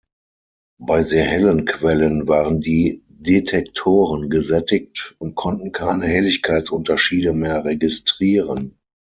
Bei sehr hellen Quellen waren die Detektoren gesättigt und konnten keine Helligkeitsunterschiede mehr registrieren.